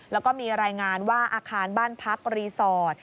แล้วก็มีรายงานว่าอาคารบ้านพักรีสอร์ท